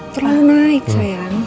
terlalu naik sayang